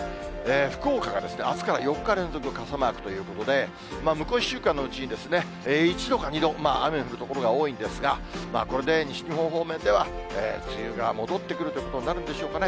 福岡があすから４日連続傘マークということで、向こう１週間のうちに１度か２度、雨が降る所が多いんですが、これで西日本方面では、梅雨が戻ってくるということになるんでしょうかね。